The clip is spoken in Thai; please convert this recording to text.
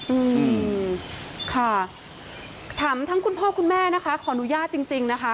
อืมค่ะถามทั้งคุณพ่อคุณแม่นะคะขออนุญาตจริงจริงนะคะ